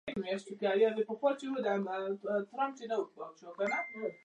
د ترکمنستان جمهوریت د افغانستان ګاونډیو هېوادونو له ډلې څخه یو دی.